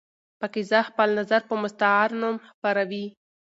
پاکیزه خپل نظر په مستعار نوم خپروي.